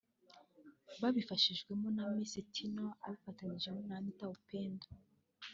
babifashijwemo na Mc Tino afatanyije na Anita Pendo